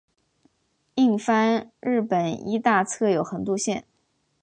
印幡日本医大侧有横渡线。